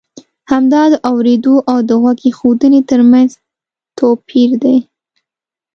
همدا د اورېدو او د غوږ اېښودنې ترمنځ توپی ر دی.